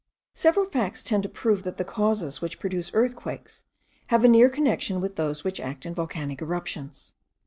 Several facts tend to prove that the causes which produce earthquakes have a near connection with those which act in volcanic eruptions.